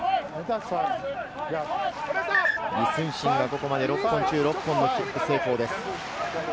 李承信がここまで６本中、６本決めています。